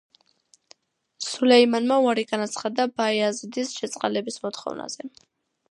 სულეიმანმა უარი განაცხადა ბაიაზიდის შეწყალების მოთხოვნაზე.